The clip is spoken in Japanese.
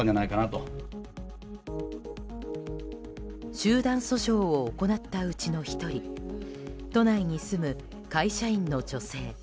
集団訴訟を行ったうちの１人都内に住む会社員の女性。